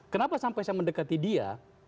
kenapa sampai saya mendekati dia